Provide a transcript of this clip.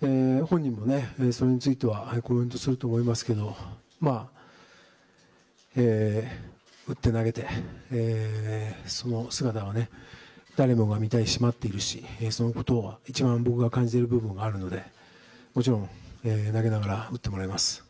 本人もそれについてはコメントすると思いますけど打って投げてその姿を誰もが見たいし待っているし、一番僕が感じている部分もあるのでもちろん投げながら打ってもらいます。